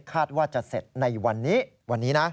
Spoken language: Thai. คาดว่าจะเสร็จในวันนี้วันนี้นะ